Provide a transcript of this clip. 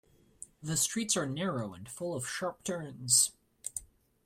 The streets are narrow and full of sharp turns.